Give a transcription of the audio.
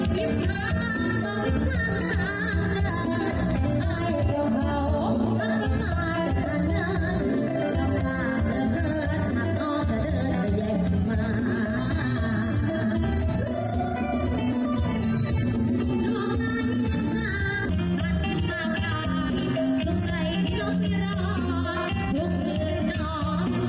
ดงนิรรดน้องนิรรสวรรค์ธนตรวจประโยชน์